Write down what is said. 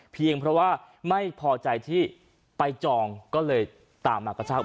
เพียงเพราะว่าไม่พอใจที่ไปจองก็เลยตามมากระชาก